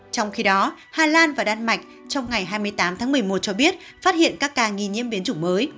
trong khi đó hà lan và đan mạch trong ngày hai mươi tám tháng một mươi một cho biết phát hiện các ca nghi nhiễm biến chủng mới